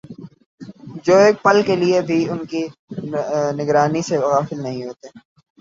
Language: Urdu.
جو ایک پل کے لیے بھی ان کی نگرانی سے غافل نہیں ہوتے